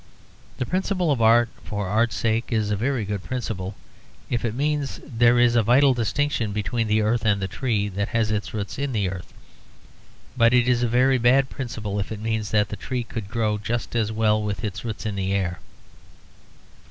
The principle of art for art's sake is a very good principle if it means that there is a vital distinction between the earth and the tree that has its roots in the earth; but it is a very bad principle if it means that the tree could grow just as well with its roots in the air.